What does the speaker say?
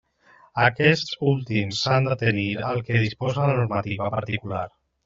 Aquests últims s'han d'atenir al que disposa la normativa particular.